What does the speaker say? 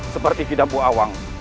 seperti kidabu awang